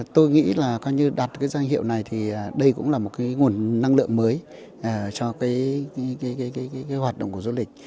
tôi nghĩ là đặt cái danh hiệu này thì đây cũng là một nguồn năng lượng mới cho cái hoạt động của du lịch